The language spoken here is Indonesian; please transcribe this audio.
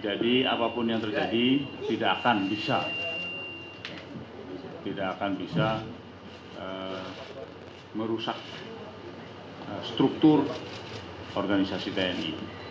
jadi apapun yang terjadi tidak akan bisa merusak struktur organisasi tni